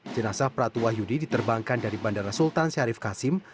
jenazah pratu wahyudi diterbangkan dari bandara sultan syarif kasim